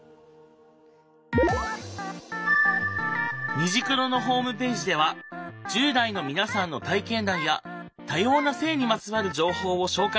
「虹クロ」のホームページでは１０代の皆さんの体験談や多様な性にまつわる情報を紹介しているよ。